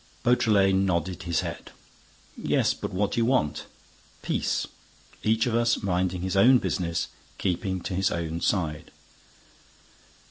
Beautrelet nodded his head: "Yes, but what do you want?" "Peace! Each of us minding his own business, keeping to his own side!"